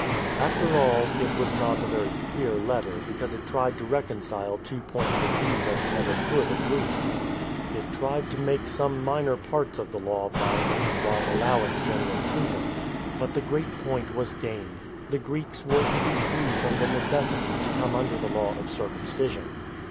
After all, it was not a very clear letter, because it tried to reconcile two points of view that never could agree. It tried to make some minor parts of the Law binding, while allowing general freedom. But the great point was gained. The Greeks were to be free from the necessity to come under the law of circumcision.